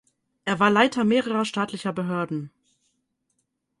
Er war Leiter mehrerer staatlicher Behörden.